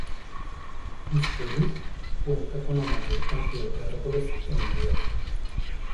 Buskerud cuenta con la mayor cantidad de árboles en Noruega.